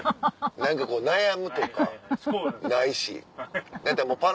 何かこう悩むとかないし。